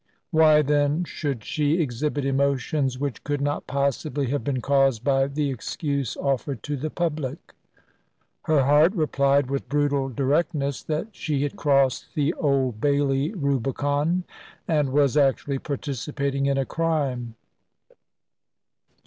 Why then should she exhibit emotions which could not possibly have been caused by the excuse offered to the public. Her heart replied with brutal directness, that she had crossed the Old Bailey Rubicon, and was actually participating in a crime.